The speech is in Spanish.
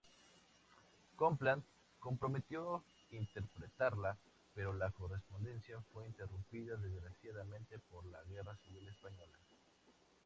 Copland prometió interpretarla, pero la correspondencia fue interrumpida desgraciadamente por la guerra civil española.